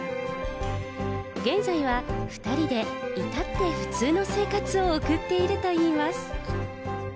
現在は２人で至って普通の生活を送っているといいます。